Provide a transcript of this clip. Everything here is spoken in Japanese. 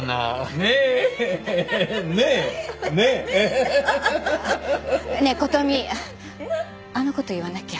ねえ琴美あの事言わなきゃ。